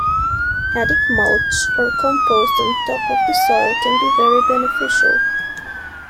Adding mulch or compost on top of the soil can be very beneficial.